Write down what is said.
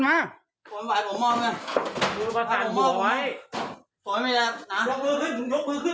มานี่